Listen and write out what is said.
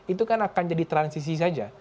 itu kan akan jadi transisi saja